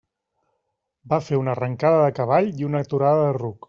Va fer una arrencada de cavall i una aturada de ruc.